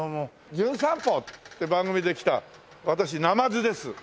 『じゅん散歩』って番組で来た私ナマズです。